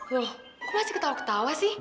loh kok masih ketawa ketawa sih